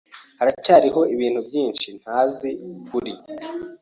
Haracyari ibintu byinshi ntazi kuri .